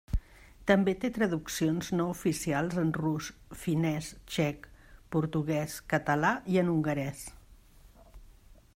També té traduccions no oficials en rus, finès, txec, portuguès, català i en hongarès.